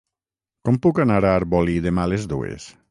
Com puc anar a Arbolí demà a les dues?